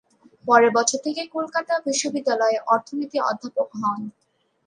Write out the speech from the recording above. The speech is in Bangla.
পরের বছর থেকে কলকাতা বিশ্ববিদ্যালয়ে অর্থনীতির অধ্যাপক হন।